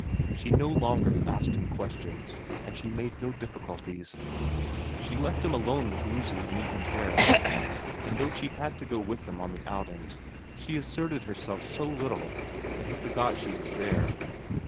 She no longer asked him questions, and she made no difficulties. She left him alone with Lucy in Eaton Terrace, and though she had to go with them on the outings she asserted herself so little that he forgot she was there.